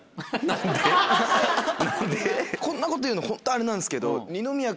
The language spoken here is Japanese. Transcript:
こんなこと言うのホントあれなんですけど。